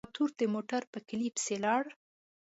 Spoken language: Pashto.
باتور د موټر په کيلي پسې لاړ.